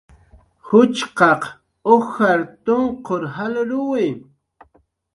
Ujchqaq ujar tunqur jalruwi